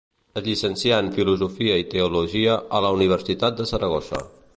Es llicencià en filosofia i teologia a la Universitat de Saragossa.